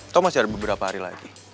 atau masih ada beberapa hari lagi